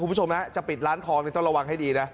คุณผู้ชมนะจะปิดร้านทองต้องระวังให้ดีนะ